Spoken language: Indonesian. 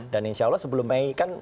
dan insya allah sebelum mei kan